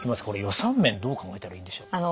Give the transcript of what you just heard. これ予算面どう考えたらいいんでしょう？